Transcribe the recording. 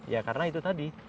ya karena itu tadi